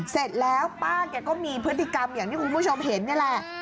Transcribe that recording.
เสร็จแล้วป้าแกก็มีพฤติกรรมอย่างที่คุณผู้ชมเห็นนี่แหละ